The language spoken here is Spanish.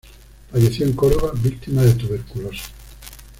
Falleció en Córdoba, víctima de tuberculosis.